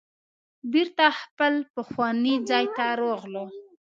بیرته خپل پخواني ځای ته راغلو.